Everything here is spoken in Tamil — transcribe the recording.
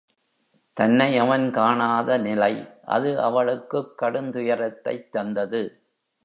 தன்னை அவன் காணாத நிலை அது அவளுக்குக் கடுந்துயரத்தைத் தந்தது.